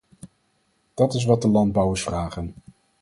Dat is wat de landbouwers vragen.